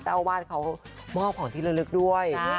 เจ้าอาวาสเขามอบของที่ละลึกด้วย